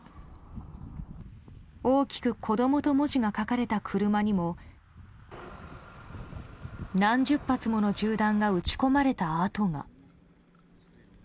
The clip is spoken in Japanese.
大きく「子供」と文字が書かれた車にも何十発もの銃弾が撃ち込まれた跡が。